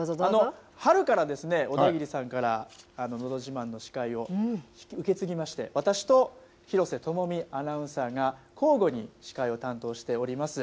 春から小田切さんからのど自慢の司会を受け継ぎまして、私と広瀬智美アナウンサーが交互に司会を担当しております。